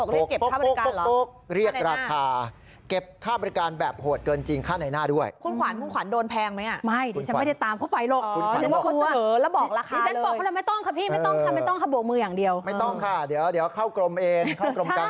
โขกเรียกราคาเก็บค่าบริการแบบโหดเกินจริงค่าในหน้าด้วยค่าในหน้า